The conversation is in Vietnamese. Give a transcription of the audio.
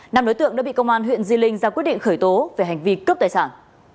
năm đối tượng đã bị công an huyện di linh ra quyết định khởi tố về hành vi cướp tài sản